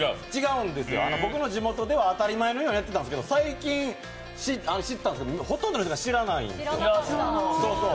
僕の地元では当たり前のようにやってたんですけど、最近知ったんですけど、ほとんどの人が知らないんですよ。